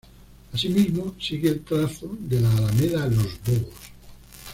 Asimismo, sigue el trazo de la alameda Los Bobos.